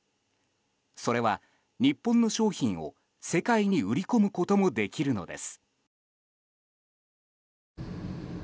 それは、日本の商品を世界に売り込むこともできるのです。